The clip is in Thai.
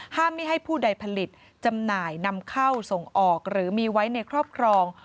ไม่ให้ผู้ใดผลิตจำหน่ายนำเข้าส่งออกหรือมีไว้ในครอบครอง